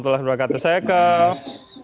saya dengan bram